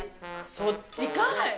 そっちかい。